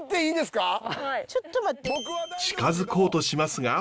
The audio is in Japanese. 近づこうとしますが。